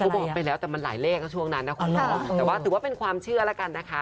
บอกไปแล้วแต่มันหลายเลขก็ช่วงนั้นนะคุณเนาะแต่ว่าถือว่าเป็นความเชื่อแล้วกันนะคะ